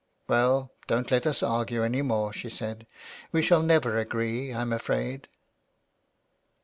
" Well, don't let us argue any more," she said. " We shall never agree, I'm afraid.''